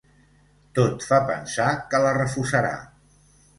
Tot fa pensar que la refusarà.